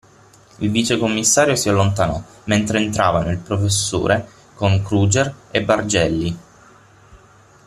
Il vicecommissario si allontanò mentre entravano il professore con Kruger e Bargelli.